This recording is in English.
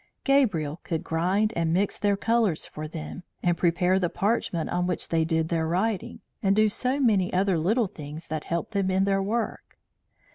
Gabriel could grind and mix their colours for them, and prepare the parchment on which they did their writing, and could do many other little things that helped them in their work.